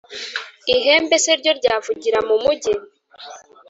Ihembe se ryo, ryavugira mu mugi,